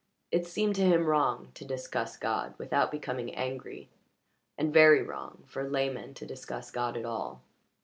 It seemed to him wrong to discuss God without becoming angry, and very wrong for laymen to discuss God at all.